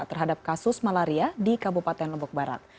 terhadap kasus malaria di kabupaten lombok barat